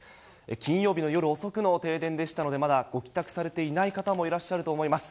金曜日の夜遅くの停電でしたので、まだご帰宅されていない方もいらっしゃると思います。